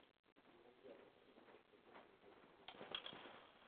Il grandit à Brooklyn et fréquente une école privée d'arts.